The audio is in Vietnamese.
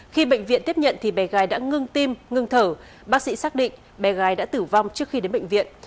khi bệnh viện tiếp nhận thì bé gái đã ngưng tim ngưng thở bác sĩ xác định bé gái đã tử vong trước khi đến bệnh viện